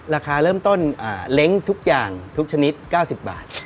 ราคาเริ่มต้นเล้งทุกอย่างทุกชนิด๙๐บาท